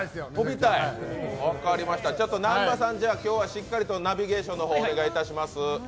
南波さん、今日はしっかりとナビゲーションの方、お願いいたします。